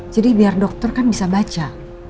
jadi biar dokter kan bisa baca